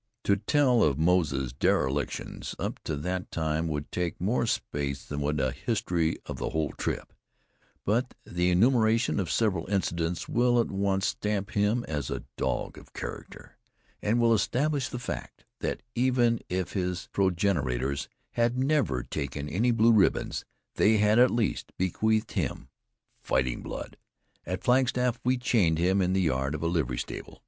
To tell of Moze's derelictions up to that time would take more space than would a history of the whole trip; but the enumeration of several incidents will at once stamp him as a dog of character, and will establish the fact that even if his progenitors had never taken any blue ribbons, they had at least bequeathed him fighting blood. At Flagstaff we chained him in the yard of a livery stable.